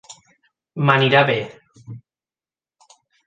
M'anirà bé.